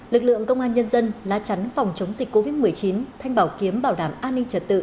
lực lượng công an nhân dân lá chắn phòng chống dịch covid một mươi chín thanh bảo kiếm bảo đảm an ninh trật tự